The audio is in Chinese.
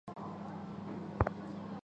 康泰卢人口变化图示